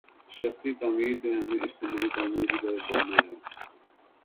شخصی تعمیر سے ہمیں اجتماعی تعمیر کی طرف بڑھنا ہے۔